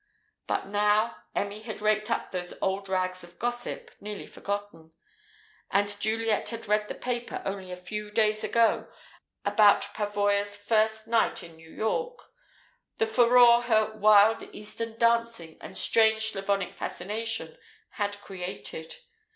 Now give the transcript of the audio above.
But now, Emmy had raked up those old rags of gossip, nearly forgotten. And Juliet had read in the paper only a few days ago about Pavoya's first night in New York; the furore her "wild eastern dancing and strange, Slavic fascination" had created.